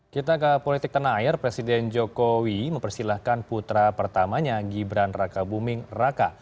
kita ke politik tanah air presiden jokowi mempersilahkan putra pertamanya gibran raka buming raka